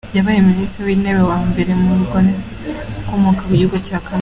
Yabaye Minisitiri w’Intebe wa mbere w’umugore ukomoka mu gihugu cya Canada.